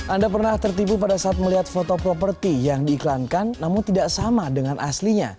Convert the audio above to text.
anda pernah tertipu pada saat melihat foto properti yang diiklankan namun tidak sama dengan aslinya